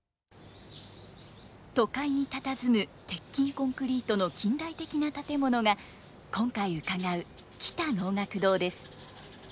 都会にたたずむ鉄筋コンクリートの近代的な建物が今回伺う喜多能楽堂です。